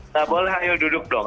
gak boleh ayo duduk dong